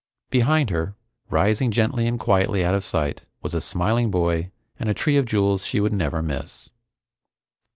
Behind her, rising gently and quietly out of sight, was a smiling boy and a tree of jewels she would never miss.